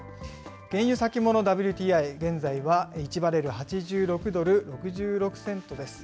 原油先物ＷＴＩ、現在は１バレル８６ドル６６セントです。